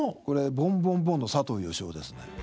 これボンボンボンの佐藤善雄ですね。